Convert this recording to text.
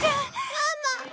ママ。